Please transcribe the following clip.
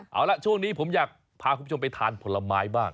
เอาล่ะช่วงนี้ผมอยากพาคุณผู้ชมไปทานผลไม้บ้าง